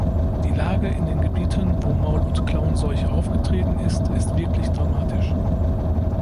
Die Lage in den Gebieten, wo Maul- und Klauenseuche aufgetreten ist, ist wirklich dramatisch.